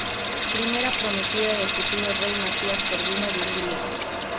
Primera prometida del futuro rey Matías Corvino de Hungría.